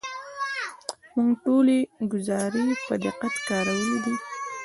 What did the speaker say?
موږ ټولې ګزارې په دقت کارولې دي.